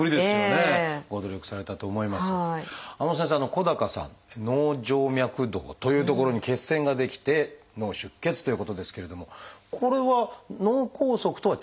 小高さん脳静脈洞という所に血栓が出来て脳出血ということですけれどもこれは脳梗塞とは違うんですか？